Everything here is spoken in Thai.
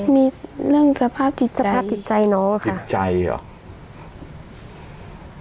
มีเรื่องสภาพจิตสภาพจิตใจน้องอะค่ะจิตใจเหรอ